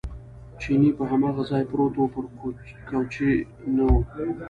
چیني په هماغه ځای پروت و، پر کوچې نه و.